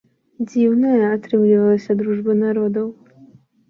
Дзіўная атрымлівалася дружба народаў!